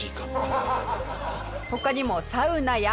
他にもサウナや。